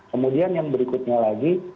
kemudian yang berikutnya lagi